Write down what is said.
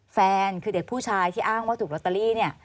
แฟนคือเด็กผู้ชายที่อ้างว่าถูกลอตเตอรี่